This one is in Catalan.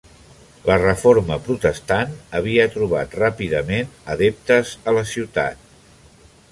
La Reforma protestant havia trobat ràpidament adeptes a la ciutat.